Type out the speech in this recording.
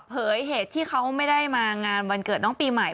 เหตุที่เขาไม่ได้มางานวันเกิดน้องปีใหม่